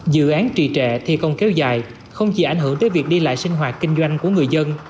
dự án trì trệ thi công kéo dài không chỉ ảnh hưởng tới việc đi lại sinh hoạt kinh doanh của người dân